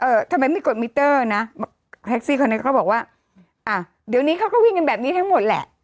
ทำไมไม่กดมิเตอร์นะแท็กซี่คนนั้นเขาบอกว่าอ่ะเดี๋ยวนี้เขาก็วิ่งกันแบบนี้ทั้งหมดแหละ